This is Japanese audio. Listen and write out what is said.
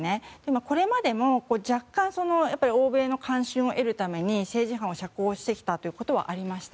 これまでも若干欧米の歓心を得るために政治犯を釈放してきたということはありました。